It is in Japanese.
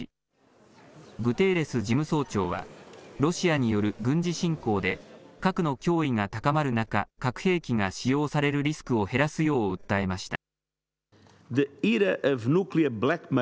グテーレス事務総長は、ロシアによる軍事侵攻で、核の脅威が高まる中、核兵器が使用されるリスクを減らすよう訴えました。